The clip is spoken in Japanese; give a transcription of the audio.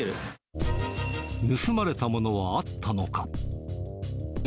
盗まれたものはあったのか。